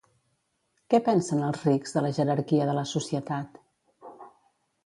Què pensen els rics de la jerarquia de la societat?